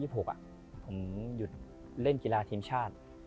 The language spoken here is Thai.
ผมหยุดเล่นกีฬาทีมชาติ